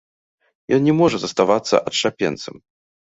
Ён не можа заставацца адшчапенцам.